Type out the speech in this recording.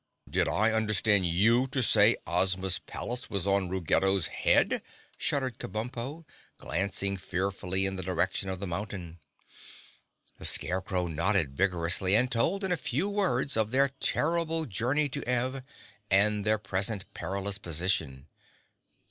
"Did I understand you to say Ozma's palace was on Ruggedo's head?" shuddered Kabumpo, glancing fearfully in the direction of the mountain. The Scarecrow nodded vigorously and told in a few words of their terrible journey to Ev and their present perilous position.